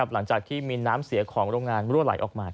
หลังจากที่มีน้ำเสียของโรงงานรั่วไหลออกมา